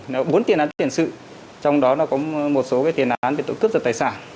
nó có bốn thiền án thiền sự trong đó nó có một số cái thiền án về tội cướp rật tài sản